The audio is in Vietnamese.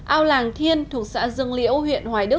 ao làng thiên thuộc xã dương liễu